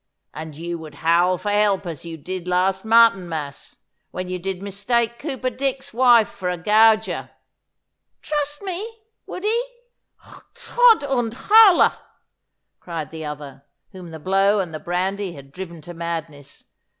And you would howl for help as you did last Martinmas, when you did mistake Cooper Dick's wife for a gauger.' 'Truss me, would he? Todt und Holle!' cried the other, whom the blow and the brandy had driven to madness.